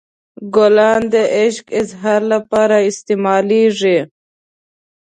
ګلان د عشق اظهار لپاره استعمالیږي.